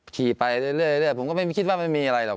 ขี่ไปเรื่อยผมก็ไม่คิดว่าไม่มีอะไรหรอก